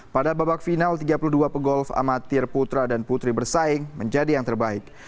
pada babak final tiga puluh dua pegolf amatir putra dan putri bersaing menjadi yang terbaik